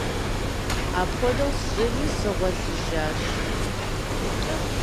Апхуэдэу сщӀыри сыгъуэлъыжащ.